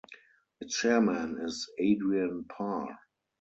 Its chairman is Adrian Parr.